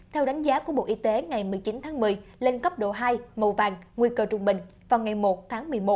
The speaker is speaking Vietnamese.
theo đánh giá của bộ y tế ngày một mươi chín tháng một mươi lên cấp độ hai màu vàng nguy cơ trung bình vào ngày một tháng một mươi một